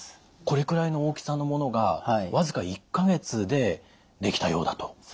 これくらいの大きさのものが僅か１か月でできたようだと。